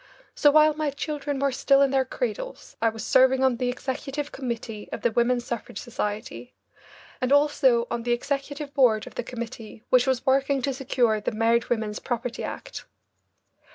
So while my children were still in their cradles I was serving on the executive committee of the Women's Suffrage Society, and also on the executive board of the committee which was working to secure the Married Women's Property Act.